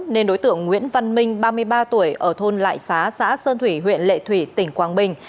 nên đối tượng nguyễn văn minh ba mươi ba tuổi ở thôn lại xá xã sơn thủy huyện lệ thủy tỉnh quảng bình